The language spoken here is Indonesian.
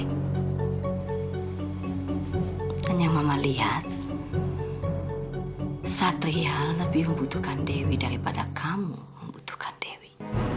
dan yang mama lihat satria lebih membutuhkan dewi daripada kamu membutuhkan dewi